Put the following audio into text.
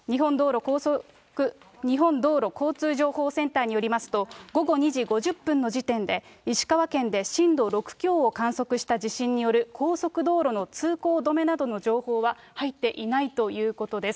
日本道路交通情報センターによりますと、午後２時５０分の時点で、石川県で震度６強を観測した地震による高速道路の通行止めなどの情報は入っていないということです。